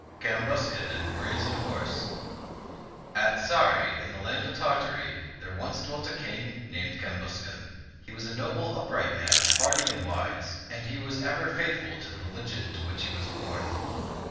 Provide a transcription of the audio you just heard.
CAMBUSCAN AND THE BRAZEN HORSE AT Sarray, in the land of Tartary, there once dwelt a king named Cambuscan. He was a noble, upright man, hardy and wise, and he was ever faithful to the religion to which he was born.